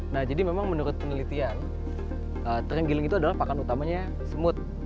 nah jadi memang menurut penelitian terenggiling itu adalah pakan utamanya semut